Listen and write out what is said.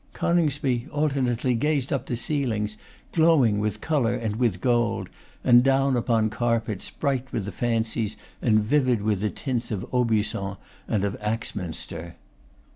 Coningsby alternately gazed up to ceilings glowing with color and with gold, and down upon carpets bright with the fancies and vivid with the tints of Aubusson and of Axminster.